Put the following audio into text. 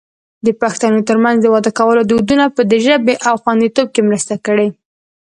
د پښتنو ترمنځ د واده کولو دودونو د ژبې په خوندیتوب کې مرسته کړې.